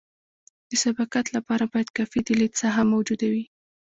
د سبقت لپاره باید کافي د لید ساحه موجوده وي